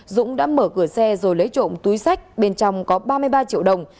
dũng đã mở cửa xe rồi lấy trộm túi sách bên trong có ba mươi ba triệu đồng